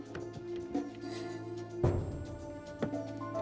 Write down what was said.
gak ada apa apa ini udah gila